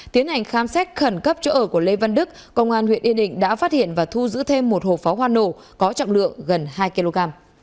tiến hành khám xét khẩn cấp chỗ ở của lê văn đức công an huyện yên định đã phát hiện và thu giữ thêm một hộp pháo hoa nổ có trọng lượng gần hai kg